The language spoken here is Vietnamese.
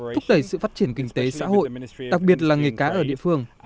thúc đẩy sự phát triển kinh tế xã hội đặc biệt là nghề cá ở địa phương